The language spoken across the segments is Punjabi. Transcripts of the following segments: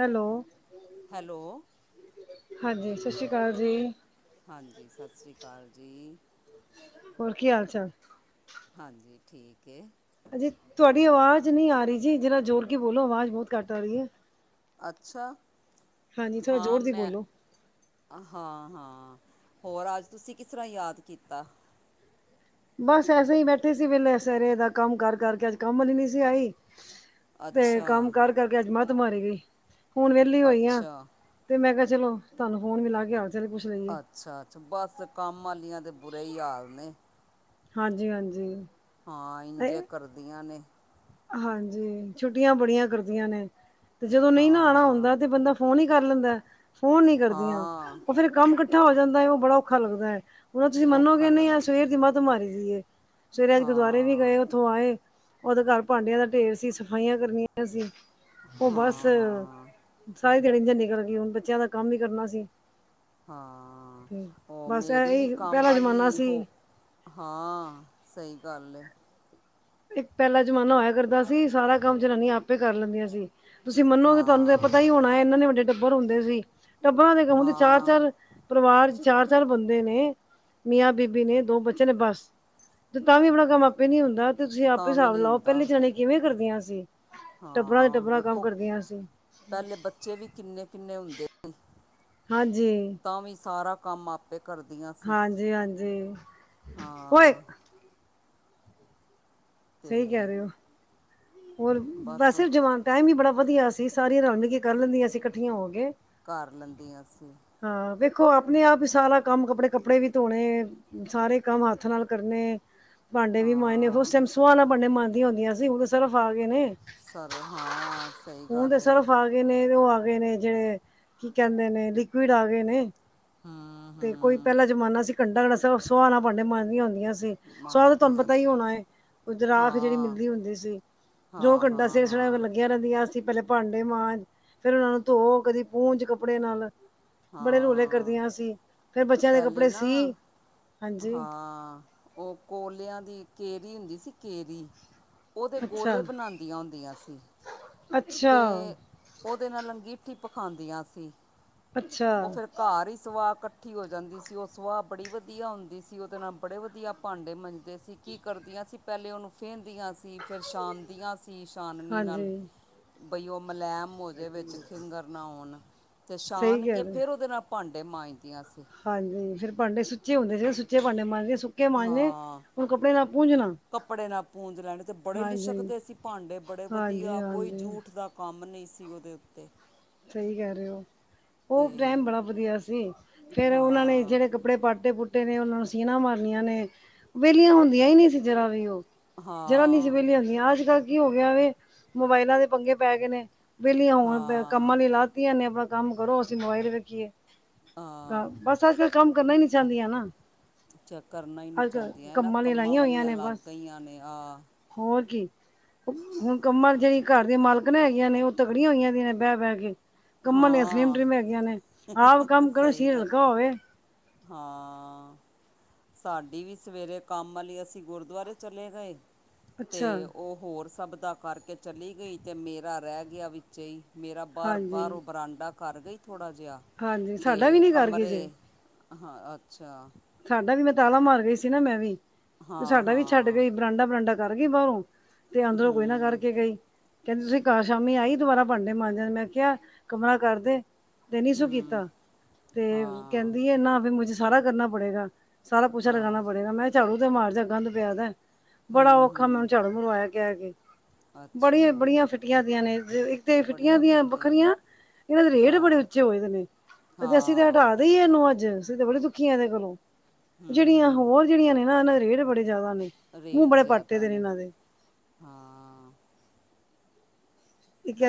ਹੈਲੋ ਹੈਲੋ ਹਾਂਜੀ ਸਤਿ ਸ੍ਰੀ ਅਕਾਲ ਜੀ ਹਾਂਜੀ ਸਤਿ ਸ੍ਰੀ ਅਕਾਲ ਜੀ ਹੋਰ ਕੀ ਹਾਲ ਚਾਲ ਹਾਂਜੀ ਠੀਕ ਹੈ। ਹਾਂਜੀ ਤੁਹਾਡੀ ਹੋਰ ਆਵਾਜ਼ ਨਹੀਂ ਆ ਰਹੀ ਜੀ ਜਿਹੜਾ ਜੋਰ ਕੇ ਬੋਲੋ ਆਵਾਜ਼ ਬਹੁਤ ਘੱਟ ਆ ਰਹੀ ਹੈ। ਅੱਛਾ। ਹਾਂਜੀ ਥੋੜ੍ਹਾ ਹਾਂ ਜ਼ੋਰ ਦੀ ਮੈਂ ਬੋਲੋ ਹਾਂ ਹਾਂ ਹੋਰ ਅੱਜ ਤੁਸੀਂ ਕਿਸ ਤਰ੍ਹਾਂ ਯਾਦ ਕੀਤਾ। ਬਸ ਐਸੇ ਹੀ ਬੈਠੇ ਸੀ ਵੇਲੇ ਐਸੇ ਰਹੇ ਦਾ ਕੰਮ ਕਰ ਕਰਕੇ ਅੱਜ ਕੰਮ ਵਾਲੀਨੀ ਸੀ ਆਈ। ਤੇ ਕੰਮ ਅੱਛਾ ਕਰਕੇ ਅੱਜ ਮੱਤ ਮਾਰੀ ਗਈ ਹੁਣ ਵਿਹਲੀ ਹੋਈ ਆ। ਅੱਛਾ ਤੇ ਮੈਂ ਕਿਹਾ ਚੱਲੋ ਤਾਨੂੰ ਫੋਨ ਵੀ ਲਾ ਕੇ ਆ ਕੇ ਚੱਲ ਪੁੱਛ ਲਈਏ। ਅੱਛਾ ਅੱਛਾ ਬਸ ਕੰਮ ਵਾਲੀਆਂ ਤਾਂ ਬੁਰੇ ਹੀ ਹਾਲ ਨੇ। ਹਾਂਜੀ ਹਾਂਜੀ। ਹਾਂ ਇੰਜੇ ਕਰਦੀਆਂ ਨੇ। ਹਾਂਜੀ ਛੁੱਟੀਆਂ ਬੜੀਆਂ ਕਰਦੀਆਂ ਨੇ। ਤੇ ਜਦੋਂ ਨਹੀਂ ਨਾ ਆਣਾ ਹਾਂ ਹੁੰਦਾ ਤੇ ਬੰਦਾ ਫੋਨ ਹੀ ਕਰ ਲੈਂਦਾ ਫੋਨ ਨੀ ਕਰਦੀਆਂ ਹਾਂ ਉਹ ਫਿਰ। ਕੰਮ ਇਕੱਠਾ ਹੋ ਜਾਂਦਾ ਹੈ ਉਹ ਬੜਾ ਔਖਾ ਲੱਗਦਾ ਹੈ ਹੁਣ ਤੁਸੀਂ ਔਖਾ ਮੰਨੋਗੇ ਨਹੀਂ ਆ ਲੱਗਦਾ ਸਵੇਰ ਦੀ ਮੱਤ ਮਾਰੀ ਸੀ ਇਹ। ਸਵੇਰੇ ਅੱਜ ਗੁਰਦੁਆਰੇ ਵੀ ਹਾਂ ਗਏ ਉੱਥੋਂ ਆਏ ਉਹਦੇ ਘਰ ਭਾਂਡਿਆਂ ਦਾ ਢੇਰ ਸੀ ਸਫਾਈਆਂ ਕਰਨੀਆਂ ਸੀ। ਉਹ ਬਸ ਹਾਂ ਹਾਂ ਸਾਰੀ ਦਿਆੜੀ ਇੰਜ ਨਿਕਲ ਗਈ ਹੁਣ ਬੱਚਿਆਂ ਦਾ ਕੰਮ ਹੀ ਕਰਨਾ ਸੀ। ਹਾਂ ਤੇ ਉਹ ਬਸ ਮੇਰੀ ਵੀ ਇਹੀ ਕੰਮ ਪਹਿਲਾ ਜ਼ਮਾਨਾ ਵਾਲੀ ਹੋ ਸੀ ਹਾਂ ਸਹੀ ਗੱਲ ਇੱਕ ਪਹਿਲਾ ਜਮਾਨਾ ਹੋਇਆ ਕਰਦਾ ਸੀ ਸਾਰਾ ਕੰਮ ਜਨਾਨੀਆਂ ਆਪੇ ਕਰ ਲੈਂਦੀਆਂ ਸੀ। ਤੁਸੀਂ ਮੰਨੋਗੇ ਤੁਹਾਨੂੰ ਤਾਂ ਹਾਂ ਪਤਾ ਹੀ ਹੋਣਾ ਹੈ ਇਨੇ ਇਨੇ ਵੱਡੇ ਟੱਬਰ ਹੁੰਦੇ ਸੀ ਟੱਬਰਾਂ ਦੇ ਹੁੰਦੇ ਚਾਰ ਹਾਂ ਚਾਰ ਪਰਿਵਾਰ ਚ ਚਾਰ ਚਾਰ ਬੰਦੇ ਨੇ ਮੀਆਂ ਬੀਬੀ ਨੇ ਦੋ ਬੱਚੇ ਨੇ ਬਸ ਤੇ ਤਾਂ ਵੀ ਆਪਣਾ ਕੰਮ ਆਪੇ ਨੀ ਹੁੰਦਾ ਤੇ ਤੁਸੀਂ ਆਪੇ ਤਾਂ ਵੀ ਹਿਸਾਬ ਨਹੀਂ ਲਾਓ ਹੁੰਦਾ ਪਹਿਲੇ ਜਾਣੇ ਕਿਵੇਂ ਕਰਦੀਆਂ ਸੀਂ? ਟੱਬਰਾਂ ਤੇ ਹਾਂ ਟੱਬਰਾਂ ਕੰਮ ਵੇਖੋ ਕਰਦੀਆਂ ਅ ਸੀ। ਪਹਿਲੇ ਬੱਚੇ ਵੀ ਕਿੰਨੇ ਕਿੰਨੇ ਹੁੰਦੇ ਹਾਂਜੀ ਤਾਂ ਵੀ ਸਾਰਾ ਕੰਮ ਆਪੇ ਕਰਦੀਆਂ ਸੀ ਹਾਂਜੀ-ਹਾਂਜੀ। ਓਏ ਹਾਂ ਸਹੀ ਕਹਿ ਅਤੇ ਰਹੇ ਹੋ। ਹੋਰ ਬਸ ਵੈਸੇ ਜਵਾਨ ਟਾਈਮ ਹੀ ਬੜਾ ਵਧੀਆ ਸੀ ਸਾਰੀਆਂ ਰਲਮਿਲ ਕਰ ਲੈਂਦੀਆਂ ਸੀ ਇਕੱਠੀਆਂ ਹੋ ਕੇ ਘਰ ਲੈਂਦੀਆਂ ਸੀਂ ਹਾਂ ਵੇਖੋ ਆਪਣੇ ਆਪ ਹੀ ਸਾਰਾ ਕੰਮ ਕੱਪੜੇ ਕੱਪੜੇ ਵੀ ਧੋਣੇ ਸਾਰੇ ਕੰਮ ਹੱਥ ਨਾਲ ਕਰਨੇ ਭਾਂਡੇ ਵੀ ਮਾਂਜਨੇ ਫਿਰ ਉਸ ਹਾਂ ਟੈਮ ਸੁਆ ਨਾਲ ਭਾਂਡੇ ਮਾਂਜਦੀ ਹੁੰਦੀਆਂ ਸੀ ਉਹ ਤਾਂ ਸਰਫ ਆ ਗਏ ਨੇ ਸਰ ਹਾਂ ਸਹੀ ਹੁਣ ਤੇ ਗੱਲ ਏ ਸਰਫ ਆ ਗਏ ਨੇ ਉਹ ਆ ਗਏ ਨੇ ਜਿਹੜੇ ਕੀ ਕਹਿੰਦੇ ਨੇ ਲੀਕੁਡ ਆ ਗਏ ਨੇ ਹੂੰ ਤੇ ਕੋਈ ਹੂੰ ਪਹਿਲਾ ਜਮਾਨਾ ਸੀ ਘੰਟਾ ਸੁਆ ਨਾਲ ਭਾਂਡੇ ਮਾਂਜਦੀਆਂ ਹੁੰਦੀਆਂ ਸੀ ਸਦ ਤੁਹਨੂੰ ਮਾਂਜਦੀਆਂ ਪਤਾ ਹੀ ਸੀ ਹੋਣਾ ਰਾਖ ਜਿਹੜੀ ਹਾਂ ਮਿਲਦੀ ਹੁੰਦੀ ਸੀ। ਜੋ ਹਾਂ ਘੰਟਾ ਹਾਂ ਸਿਰ ਸ ਹਾਂ ਲੱਗੀਆਂ ਰਹਿੰਦੀਆਂ ਸੀ ਪਹਿਲੇ ਭਾਂਡੇ ਮਾਂਜ ਫੇਿਰ ਉਹਨਾਂ ਨੂੰ ਧੋ ਕਦੀ ਪੂੰਜ ਕੱਪੜੇ ਨਾਲ ਬੜੇ ਰੌਲੇ ਹਾਂ ਕਰਦੀਆਂ ਸੀ ਫਿਰ ਬੱਚਿਆਂ ਦੇ ਪਹਿਲੇ ਕੱਪੜੇ ਨਾ ਸੀ ਹਾਂਜੀ ਹਾਂ ਉਹ ਕੋਲਿਆਂ ਦੀ ਕੇਰੀ ਹੁੰਦੀ ਸੀ ਕੇਰੀ ਉਹਦੇ ਗੋਲੇ ਅੱਛਾ ਬਣਾਦੀਆਂ ਹੁੰਦੀਆਂ ਸੀ। ਅੱਛਾ ਤੇ ਉਹਦੇ ਨਾਲ ਅੰਗੀਠੀ ਪਖਾਦੀਆਂ ਸੀ ਅੱਛਾ ਉਹ ਫੇਿਰ ਘਰ ਹੀ ਸਵਾਹ ਕੱਟ ਇਕੱਠੀ ਹੋ ਜਾਂਦੀ ਸੀ ਉਹ ਸੁਵਾਹ ਬੜੀ ਵਧੀਆ ਹੁੰਦੀ ਸੀ ਉਹਦੇ ਨਾਲ ਬੜੇ ਵਧੀਆ ਭਾਂਡੇ ਮੰਜਦੇ ਸੀ ਕੀ ਕਰਦੀਆਂ ਸੀ ਪਹਿਲੇ ਉਹਨੂੰ ਫੇਹਦੀਆਂ ਸੀ ਫਿਰ ਛਾਨਦੀਆਂ ਸੀ ਛਾਨਣੀ ਨਾਲ ਹਾਂਜੀ ਬਈ ਉਹ ਮਲੈਮ ਹੋਜੇ ਵਿੱਚ ਖਿੰਗਰ ਨਾ ਆਣ ਤੇ ਸਹੀ ਛਾਨ ਕਹਿ ਕੇ ਰਹੇ ਫੇਰ ਉਹਦੇ ਨਾਲ। ਭਾਂਡੇ ਮਾਂਜਦੀਆਂ ਸੀ। ਹਾਂਜੀ ਫੇਰ ਭਾਂਡੇ ਸੁੱਚੇ ਹੁੰਦੇ ਸੀ ਸੁੱਚੇ ਭਾਂਡੇ ਮਾਂਜਕੇ ਸੁੱਕੇ ਮਾਂਜਨੇ ਹਾਂ ਹੁਣ ਕੱਪੜੇ ਨਾਲ ਪੂੰਝਣਾ। ਕੱਪੜੇ ਨਾਲ ਪੂੰਜ ਲੈਣੇ ਅਤੇ ਬੜੇ ਹਾਂਜੀ ਲਿਸ਼ਕਦੇ ਸੀ ਭਾਂਡੇ ਬੜੇ ਹਾਂਜੀ ਵਧੀਆ ਕੋਈ ਹਾਂਜੀ ਜੂਠ ਦਾ। ਕੰਮ ਨਹੀਂ ਸੀ ਉਹਦੇ ਉੱਤੇ। ਸਹੀ ਕਹਿ ਰਹੇ ਹੋ ਉਹ ਤੇ ਟੈਮ ਬੜਾ ਵਧੀਆ ਸੀ ਫੇਰ ਉਹਨਾਂ ਨੇ ਹਾਂ ਜਿਹੜੇ। ਕੱਪੜੇ ਪਾਟੇ ਪੁੂਟੇ ਨੇ ਉਹਨਾਂ ਨੂੰ ਸੀਣਾ ਮਾਰਨੀਆਂ ਨੇ ਵਿਹਲੀਆਂ ਹੁੰਦੀਆਂ ਹੀ ਨਹੀਂ ਸੀ ਜਰਾ ਵੀ ਉਹ। ਜਰਾ ਨੀ ਸ ਹਾਂ ਵੇਲੀਆਂ ਹੁੰਦੀਆਂ ਅੱਜ ਕੱਲ੍ਹ ਕੀ ਹੋ ਗਿਆ ਮੋਬਾਇਲਾਂ ਦੇ ਪੰਗੇ ਪੈ ਗਏ ਨੇ ਵਲੀ ਆ ਹਾਂ ਲਾਤੀਆਂ ਨੇ ਆਪਣਾ ਕੰਮ ਕਰੋ ਅਸੀਂ ਮੋਬਾਈਲ ਰੱਖੀਏ ਆ ਬਸ ਅੱਜ ਕੱਲ ਕੰਮ ਕਰਨਾ ਹੀ ਨੀ ਜਾਂਦੀਆਂ ਨਾ ਅਛਾ ਕਰਨਾ ਹੀ ਨਹੀਂ ਅੱਜ ਕੱਲ੍ਹ ਚਾਦੀਆਂ ਹਨ ਨਾ ਲਈ ਕੰਮਾਂ ਲਾਈਆਂ ਹੋਈਆਂ ਵਾਲੀਆਂ ਨੇ ਲੱਗ ਬਸ ਗਈਆਂ ਨੇ ਆਹ ਹੋਰ ਕੀ ਹੁਣ ਕੰਮਾਂ ਜਿਹੜੀਆਂ ਘਰ ਦੀਆਂ ਮਾਲਕਣ ਨੇ ਹੈਗੀਆਂ ਨੇ ਉਹ ਤਕੜੀਆਂ ਹੋਈਆਂ ਦੀ ਨੇ ਬਹਿ ਬਹਿ ਕੇ ਕੰਮਾ ਦੀਆ ਹਾਂ ਸਲਿਮਟਰਿਮਂ ਹੈਗੀਆਂ ਨੇ ਆਪ ਕੰਮ ਕਰੋ ਸਹੀ ਸ਼ਰੀਰ ਗ ਹਲਕਾ ਹੋਵੇ। ਹਾਂ ਸਾਡੀ ਵੀ ਸਵੇਰੇ ਕੰਮ ਵਾਲੀ ਅਸੀਂ ਗੁਰਦੁਆਰੇ ਚਲੇ ਗਏ। ਅੱਛਾ ਤੇ ਉਹ ਹੋਰ ਸਭ ਦਾ ਕਰਕੇ ਚਲੀ ਗਈ ਤੇ ਮੇਰਾ ਰਹਿ ਗਿਆ ਵਿਚ ਹੀ। ਮੇਰਾ ਬਾਹਰ ਹਾਂਜੀ ਬਾਹਰੋਂ ਬਰਾਂਡਾ ਕਰ ਗਈ ਥੋੜ੍ਹਾ ਜਿਹਾ ਹਾਂਜੀ ਸਾਡਾ ਵੀ ਅਤੇ ਨੀ ਕਰ ਗਏ ਜੇ ਕਮਰੇ। ਹਾਂ ਅੱਛਾ। ਸਾਡਾ ਵੀ ਮੈਂ ਤਾਲਾ ਮਾਰ ਗਈ ਸੀ ਨਾ ਮੈਂ ਵੀ ਤੇ ਹਾਂ ਸਾਡਾ ਵੀ ਛੱਡ ਹਾਂ ਗਈ। ਬਰਾਂਡਾ ਬਰਾਂਡਾ ਕਰ ਗਈ ਬਾਹਰੋਂ ਤੇ ਅੰਦਰੋਂ ਕੋਈ ਨਾ ਹੂੰ ਕਰਕੇ ਗਈ। ਕਹਿੰਦੇ ਤੁਸੀਂ ਘਰ ਸ਼ਾਮੀ ਆਈ ਦੁਬਾਰਾ ਭਾਂਡੇ ਮਾਂਜਣ ਮੈਂ ਕਿਹਾ ਕਮਰਾ ਕਰਦੇ। ਤੇ ਨੀ ਸੁ ਹੂੰ ਕੀਤਾ ਤੇ ਹਾਂ ਕਹਿੰਦੀ ਐ ਵੀ ਨਾ ਮੁਝੇ ਸਾਰਾ ਕਰਨਾ ਪੜੇਗਾ। ਸਾਰਾ ਪੋਚਾ ਆ ਲਗਾਉਣਾ ਪੜੇਗਾ ਮੈਂ ਕਿਹਾ ਝਾੜੂ ਤੇ ਮਾਰ ਜਾ ਗੰਦਾ ਪਿਆ ਦਾ ਬੜਾ ਹੂੰ ਔਖਾ ਮੈਂ ਹੂੰ ਝਾੜੂ। ਹੁਣ ਆਇਆ ਕਹਿ ਕੇ। ਅੱਛਾ ਬੜੀਆਂ ਬੜੀਆਂ ਫਿਟੀਆਂ ਦੀਆਂ ਨੇ ਇੱਕ ਤੇ ਫਿਟੀਆਂ ਬੜੀਆਂ ਦੀਆਂ ਫਿੱਟੀਆਂ ਏ ਵੱਖਰੀਆਂ। ਇਹਨਾਂ ਦੇ ਰੇਟ ਬੜੇ ਹਾਂ ਉੱਚੇ ਹੋਏ ਦੇ ਨੇ ਤੇ ਅਸੀਂ ਤਾਂ ਹਾਂ ਹਟਾ ਦੇਈਏ ਇਹਨੂੰ ਅੱਜ ਅਸੀਂ ਤਾਂ। ਦੁਖੀ ਆ ਇਹਦੇ ਕੋਲੋਂ ਜਿਹੜੀਆਂ ਹੂੰ ਹੋਰ ਜਿਹੜੀਆਂ ਨੇ ਨਾ ਇਹਨਾਂ ਦੇ ਰੇਟ ਬੜੇ ਜ਼ਿਆਦਾ ਨੇ। ਮੂੰਹ ਰੇਟ ਬੜੇ ਪਾਟੇ ਜ਼ਿਆਦਾ ਦੇ ਨੇ ਇਹਨਾਂ ਦੇ। ਹਾਂ।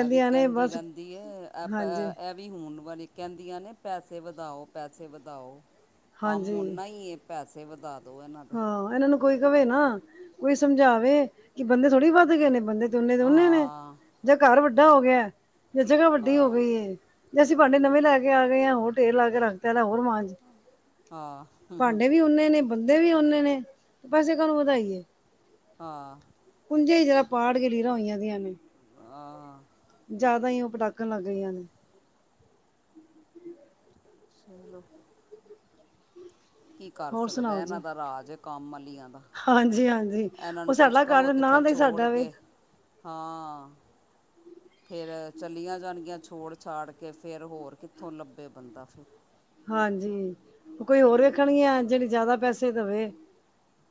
ਇਹ ਵੀ ਨੇ ਕਹਿੰਦੀ ਬਸ ਰਹਿੰਦੀ ਹੈ ਆਪ ਹਾਂਜੀ ਇਹ। ਵੀ ਹੁਣ ਵਾਲੀ ਕਹਿੰਦੀਆਂ ਨੇ ਪੈਸੇ ਵਧਾਓ, ਪੈਸੇ ਵਧਾਓ ਕੰਮ ਹਾਂਜੀ ਉਹਨਾਂ ਹੀ ਹੈ। ਪੈਸੇ ਵਧਾ ਦਿਉ ਇਹਨਾਂ ਦੇ। ਹਾਂ ਇਹਨਾਂ ਨੂੰ ਕੋਈ ਕਵੇ ਨਾ ਕੋਈ ਸਮਝਾਵੇ ਕਿ ਬੰਦੇ ਥੋੜ੍ਹੀ ਵੱਧ ਗਏ ਨੇ ਬੰਦੇ। ਬੰਦੇ ਤੇ ਉਨੇ ਦੇ ਹਾਂ ਉਨੇ ਨੇ ਹਾਂ ਜਾਂ ਘਰ ਵੱਡਾ ਹੋ ਗਿਆ ਜਾਂ ਜਗ੍ਹਾ ਵੱਡੀ ਹੋ ਗਈ ਹੈ। ਜੇ ਅਸੀਂ ਭਾਂਡੇ ਨਵੇਂ ਲੈ ਕੇ ਆ ਗਏ ਹਾਂ। ਉਹ ਢੇਰ ਲਾ ਕੇ ਰੱਖ ਤਾ ਉਹ ਮਾਂਜ। ਹਾਂ ਭਾਂਡੇ ਵੀ ਓਨੇ ਨੇ, ਬੰਦੇ ਵੀ ਓਨੇ ਨੇ ਪੈਸੇ ਕਿਉਂ ਵਧਾਈਏ। ਹਾਂ। ਕੁੰਝੇ ਹੀ ਜਰਾ ਪਾੜ ਕੇ ਲੀਰਾਂ ਹੋਈਆਂ ਦੀਆਂ ਨੇ। ਹਾਂ। ਜ਼ਿਆਦਾ ਹੀ ਉਹ ਪਟਾਕਣ ਲੱਗ ਗਈਆਂ ਨੇ। ਚਲੋ। ਕੀ ਕਰ ਹੋਰ ਸਕਦਾ ਹੈ। ਸੁਣਾਓ ਇਹਨਾਂ ਜੀ ਦਾ ਰਾਜ ਹੈ ਕੰਮ ਵਾਲੀਆਂ ਦਾ। ਹਾਂਜੀ ਹਾਂਜੀ। ਇਹਨਾਂ ਉਹ ਨੂੰ ਕੁੱਛ ਸਾਡਾ ਕਵੋ ਘਰ ਤੇ ਨਾਂ ਫੇਰ ਦਾ ਹੀ ਛੋੜ ਸਾਡਾ ਵੇ ਕੇ ਹਾਂ। ਫੇਰ ਚੱਲੀਆਂ ਜਾਣਗੀਆਂ ਛੋੜ ਛਾੜ ਕੇ ਫੇਰ ਹੋਰ ਕਿੱਥੋਂ ਲੱਭੇ ਬੰਦਾ ਫਿਰ। ਹਾਂਜੀ, ਉਹ ਕੋਈ ਹੋਰ ਹਾਂ ਵੇਖਣਗੀਆਂ ਜਿਹੜੀ ਜ਼ਿਆਦਾ ਪੈਸੇ ਦੇਵੇ।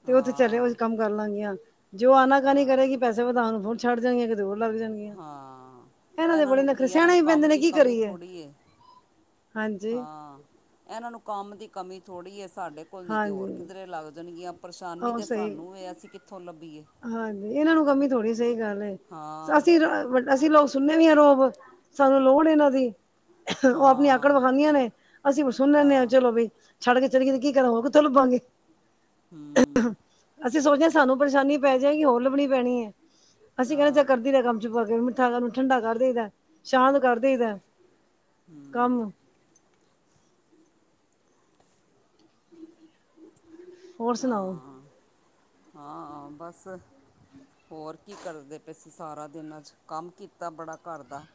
ਤੇ ਉੱਥੇ ਚੱਲੇ ਅੱਜ ਹਾਂ ਉਹ ਕੰਮ ਕਰ ਲੈਣਗੀਆਂ ਜੋ ਉਹ ਆਨਾ ਕਾਨੀ ਹਾਂ ਕਰੇਗੀ। ਪੈਸੇ ਵਧਾਉਣ ਹੁਨ ਛੱਡ ਜਾਣਗੀਆਂ ਕਿਤੇ ਉਹ ਲੱਗ ਜਾਣਗੀਆਂ। ਹਾਂ ਦੇ ਇਹਨਾਂ ਬੜੇ ਨੂੰ ਨਖਰੇ ਕੀ ਹੈ, ਇਹਨਾਂ ਸਹਿਣੇ ਨੂੰ ਹੀ ਪੈਂਦੇ ਕੰਮ ਨੇ ਦੀ ਕੀ ਕਮੀ ਕਰੀਏ ਥੋੜ੍ਹੀ ਏ। ਹਾਂਜੀ ਹਾਂ ਇਹਨਾਂ ਨੂੰ ਕੰਮ ਦੀ ਕਮੀ ਥੋੜ੍ਹੀ ਹੈ। ਸਾਡੇ ਸਾਡੇ ਕੋਲ ਨਹੀਂ ਤੇ ਹੋਰ ਹਾਂਜੀ ਕਿੱਧਰੇ ਲੱਗ ਜਾਣਗੀਆਂ। ਪਰੇਸ਼ਾਨੀ ਆਹੋ ਤੇ ਸਹੀ ਸਾਨੂੰ ਏ, ਅਸੀਂ ਕਿੱਥੋਂ ਲੱਭੀਏ? ਹਾਂਜੀ, ਇਹਨਾਂ ਨੂੰ ਕਮੀ ਥੋੜੀ ਸਹੀ ਗੱਲ ਏ। ਹਾਂ ਅਸੀਂ ਅਸੀਂ ਲੋਕ ਸੁਣਨੇ ਵੀ ਹਾਂ ਰੋਅਬ। ਸਾਨੂੰ ਲੋੜ ਏ ਇਹਨਾਂ ਦੀ ਉਹ ਆਪਣੀ ਅਕੜ ਹਾਂ ਵਿਖਾਦੀਆਂ ਨੇ। ਅਸੀਂ ਹੁਣ ਸੁਣ ਲੈਂਦੇ ਹਾਂ ਆ ਚਲੋ ਬਈ। ਛੜ ਕੇ ਚਲੀ ਗਈ ਤੇ ਕੀ ਕਰਾਂ। ਹੋਰ ਕਿੱਥੋਂ ਲੱਭਾਂਗੇ। ਹਮ ਅਸੀਂ ਸੋਚਦੇ ਹਾਂ ਸਾਨੂੰ ਪਰੇਸ਼ਾਨੀ ਪੈ ਜਾਏਗੀ ਹੋਰ ਲੱਭਣੀ ਪੈਣੀ ਹੈ ਅਸੀਂ ਕਹਿੰਦੇ ਚੱਲ ਆ ਕਰਦੀ ਰਹਿ ਕੰਮ। ਵਿੱਚ ਪਾ ਕੇ ਮਿੱਠਾ ਕੰਮ ਠੰਡਾ ਕਰ ਦੇਈਦਾ ਸ਼ਾਂਤ ਕਰਦੇਈ ਦਾ ਹੂੰ ਕੰਮ। ਹੋਰ ਸੁਣਾਓ? ਹਾਂ, ਹਾਂ, ਬਸ। ਹੋਰ ਕੀ ਕਰਦੇ ਪਏ ਸੀ ਸਾਰਾ ਦਿਨ ਅੱਜ ਕੰਮ ਕੀਤਾ ਬੜਾ ਘਰ ਦਾ।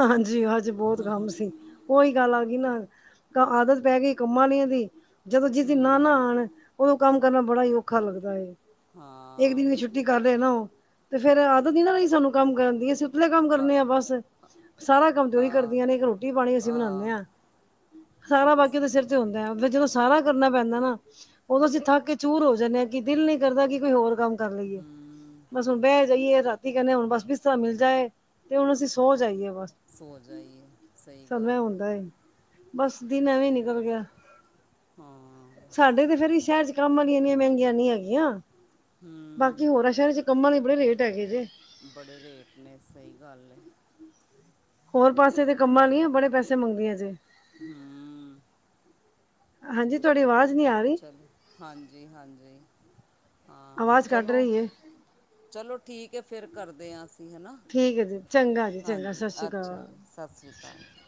ਹਾਂਜੀ, ਅੱਜ ਬਹੁਤ ਕੰਮ ਸੀ। ਉਹੀ ਗੱਲ ਆ ਗਈ ਨਾ ਆਦਤ ਪੈ ਗਈ ਕੰਮਾਂ ਵਾਲੀਆਂ ਦੀ ਜਦੋਂ ਜਿਸ ਦਿਨ ਨਾ ਨਾ ਹੂੰ ਆਉਣ। ਉਦੋਂ ਕੰਮ ਕਰਨਾ ਬੜਾ ਹੀ ਔਖਾ ਲੱਗਦਾ ਹੈ। ਇੱਕ ਹਾਂ ਦਿਨ ਦੀ ਛੁੱਟੀ। ਛੁੱਟੀ ਕਰ ਦੇਣ ਨਾ ਉਹ ਤੇ ਫੇਰ ਆਦਤ ਨਹੀਂ ਨਾ ਰਹੀ ਸਾਨੂੰ ਕੰਮ ਕਰਨ ਦੀ ਅਸੀਂ ਉਤਲੇ ਕੰਮ ਕ ਕਰਨੇ ਆਂ ਬਸ। ਸਾਰਾ ਕੰਮ ਤੇ ਉਹੀ ਆ ਕਰਦੀਆਂ ਨੇ ਇੱਕ ਰੋਟੀ ਪਾਣੀ ਅਸੀਂ ਬਣਾਉਦੇ ਆ ਹਾਂ। ਸਾਰਾ ਬਾਕੀ ਉਹਦੇ ਸਿਰ ਤੇ ਹੁੰਦਾ ਫੇਰ ਜਦੋਂ ਸਾਰਾ ਕਰਨਾ ਪੈਂਦਾ ਨਾ। ਉਦੋਂ ਅਸੀਂ ਥੱਕ ਕੇ ਚੂਰ ਹੋ ਜਾਂਦੇ ਹਾਂ। ਕਿ ਦਿਲ ਨਹੀਂ ਕਰਦਾ ਕਿ ਕੋਈ ਹੋਰ ਕੰਮ ਕਰ ਲਈਏ। ਹੂੰ ਬਸ ਹੁਣ ਬਹਿ ਜਾਈਏ ਰਾਤੀ ਕਹਿੰਦੇ ਹੁਣ ਬਸ ਬਿਸਤਰਾ ਮਿਲ ਜਾਏ ਤੇ ਹੁਣ ਅਸੀਂ ਸੌ ਜਾਈਏ ਬਸ। ਸੋਂ ਜਾਈਏ ਆ ਸਹੀ ਸਾਨੂੰ ਇਹ ਗੱਲ ਹੈ। ਹੁੰਦਾ ਏ ਬਸ ਦਿਨ ਐਵੇਂ ਨਿਕਲ ਗਿਆ। ਹਾਂ। ਸਾਡੇ ਤੇ ਫੇਰ ਸ਼ਹਿਰ ਚ ਕੰਮ ਵਾਲੀਆਂ ਇੰਨੀਆਂ ਮਹਿੰਗੀਆਂ ਨੀ ਹੈਗੀਆਂ। ਹੂੰ ਬਾਕੀ ਹੋਰਾਂ ਸ਼ਹਿਰ ਚ ਕੰਮਾਂ ਦੇ ਬੜੇ ਰੇਟ ਹੈਗੇ ਜੇ ਬੜੇ ਰੇਟ ਨੇ ਸਹੀ ਗੱਲ ਹੈ। ਹੋਰ ਪਾਸੇ ਦੇ ਕੰਮਾਂ ਹਾਂ ਲਈਆਂ ਬੜੇ ਪੈਸੇ ਮੰਗਦੀਆਂ ਜੇ ਹੂੰ। ਹਾਂਜੀ ਤੁਹਾਡੀ ਆਵਾਜ਼ ਨੀ ਆ ਰ ਹਾਂਜੀ-ਹਾਂਜੀ ਹਾਂ ਆਵਾਜ਼ ਕੱਟ ਚਲੋ ਰਹੀ ਏ ਚਲੋ ਠੀਕ ਹੈ ਫਿਰ ਕਰਦੇ ਹਾਂ ਅਸੀਂ ਹੈਨਾ। ਠੀਕ ਹੈ ਜੀ ਚੰਗਾ ਜੀ ਚੰਗਾ ਹਾਂਜੀ ਸਤਿ ਸ਼੍ਰੀ ਅੱਛਾ ਅਕਾਲ ਜੀ। ਸਤਿ ਸ਼੍ਰੀ ਅਕਾਲ ਜੀ।